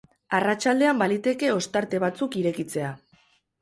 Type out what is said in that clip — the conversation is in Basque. Arratsaldean baliteke ostarte batzuk irekitzea.